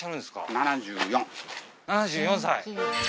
７４歳。